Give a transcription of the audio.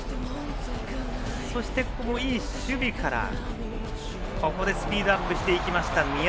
そしてここもいい守備から宮澤、スピードアップしていきました。